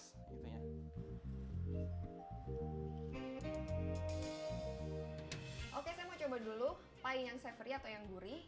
oke saya mau coba dulu pay yang saveri atau yang gurih